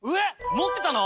持ってたの？